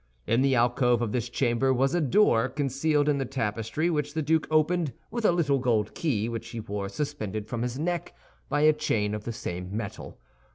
In the alcove of this chamber was a door concealed in the tapestry which the duke opened with a little gold key which he wore suspended from his neck by a chain of the same metal.